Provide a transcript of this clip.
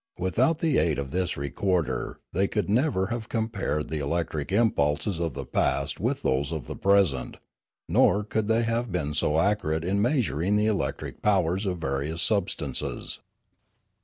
Without the aid of this recorder they could never have compared the electric impulses of the past with those of the present, nor could they have been so accurate in measuring the electric powers of various substances.